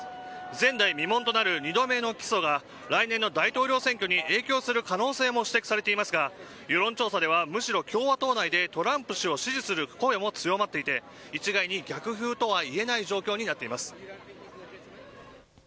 前代未聞となる２度目の起訴は来年の大統領選挙に影響する可能性も指摘されていますが世論調査ではむしろ共和党内でトランプ氏を支持する声も強まっていて一概に逆風と言えない状況になっています。